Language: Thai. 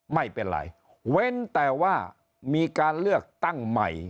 ไม่เป็นไรเว้นแต่ว่ามีการเลือกตั้งใหม่